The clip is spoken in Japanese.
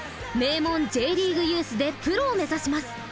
名門Ｊリーグユースでプロを目指します。